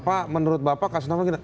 pak menurut bapak kasus apa gini